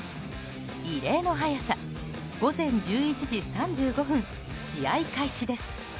異例の早さ午前１１時３５分試合開始です。